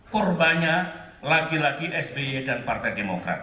hurbahnya lagi lagi sby dan pdd